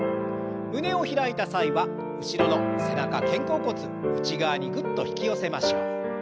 胸を開いた際は後ろの背中肩甲骨内側にグッと引き寄せましょう。